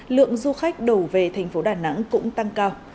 lượng du khách đổ về thành phố đà nẵng cũng tăng cao